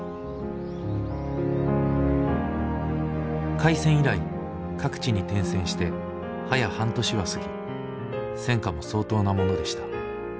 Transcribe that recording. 「開戦以来各地に転戦して早や半年は過ぎ戦果も相当なものでした。